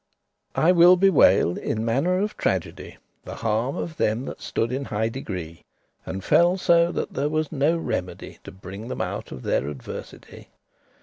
<1> I will bewail, in manner of tragedy, The harm of them that stood in high degree, And felle so, that there was no remedy To bring them out of their adversity.